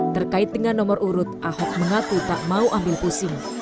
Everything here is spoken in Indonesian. terkait dengan nomor urut ahok mengaku tak mau ambil pusing